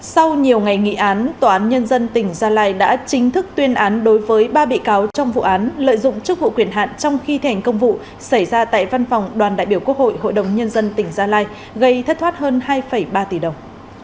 sau nhiều ngày nghị án tòa án nhân dân tỉnh gia lai đã chính thức tuyên án đối với ba bị cáo trong vụ án lợi dụng chức vụ quyền hạn trong khi thành công vụ xảy ra tại văn phòng đoàn đại biểu quốc hội hội đồng nhân dân tỉnh gia lai gây thất thoát hơn hai ba tỷ đồng